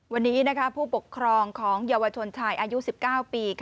วันนี้ผู้ปกครองของเยาวชนชายอายุ๑๙ปี